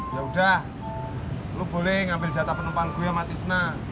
yaudah lo boleh ngambil jatah penumpang gue sama tisna